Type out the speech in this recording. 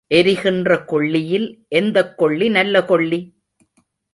எரிகிற கொள்ளியில் எந்தக் கொள்ளி நல்ல கொள்ளி?